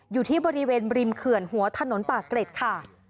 อยู่ที่บริเวณริมเขื่อนหัวถนนปากเกร็ดค่ะ